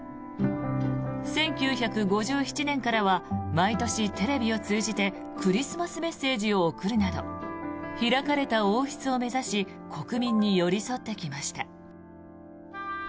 １９５７年からは毎年、テレビを通じてクリスマスメッセージを送るなど開かれた王室を目指し国民に寄り添ってきました。